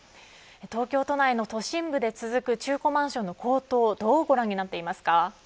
東京都内の都心部で続く中古マンションの高騰をどうご覧になっていますか。